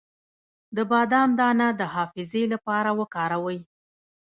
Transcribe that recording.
د بادام دانه د حافظې لپاره وکاروئ